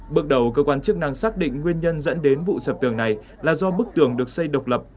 bước đầu cơ quan chức năng xác định nguyên nhân dẫn đến vụ sập tường này là do bức tường được xây độc lập